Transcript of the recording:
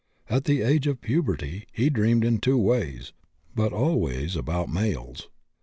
At the age of puberty he dreamed in two ways, but always about males.